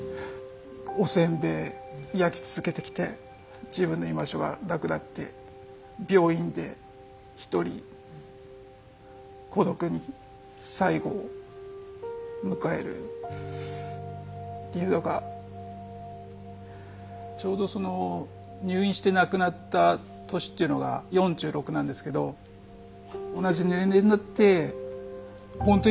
おせんべい焼き続けてきて自分の居場所がなくなって病院で一人孤独に最期を迎えるっていうのがちょうどその入院して亡くなった年っていうのが４６なんですけど同じ年齢になってほんと